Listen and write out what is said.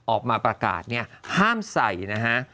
ออกมาประกาศเนี่ยห้ามใส่นะฮะ